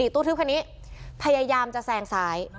ตู้ทึบคันนี้พยายามจะแซงซ้าย